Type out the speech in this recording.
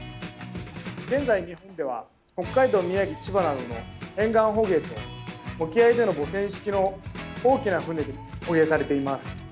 現在、日本では北海道、宮城千葉などの沿岸捕鯨と沖合での母船式の大きな船で捕鯨されています。